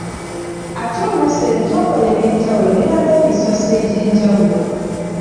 Ate oluusi n'ebitongole eby'enjawulo biba n'emisoso egy'enjawulo.